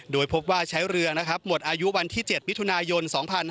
โดยพบว่าใช้เรือหมดอายุวันที่๗มิถุนายน๒๕๕๙